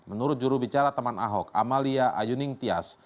menurut jurubicara teman ahok amalia ayuning tias